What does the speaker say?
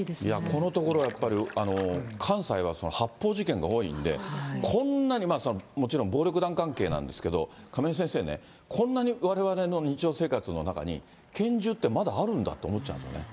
このところ、関西は発砲事件が多いんで、こんなに、もちろん暴力団関係なんですけど、亀井先生ね、こんなにわれわれの日常生活の中に、拳銃ってまだあるんだと思っちゃうんですよね。